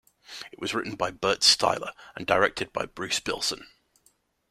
It was written by Burt Styler and directed by Bruce Bilson.